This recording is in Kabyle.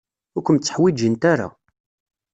Ur kem-tteḥwijint ara.